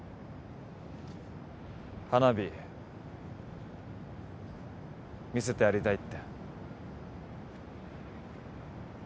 花火見せてやりたいって。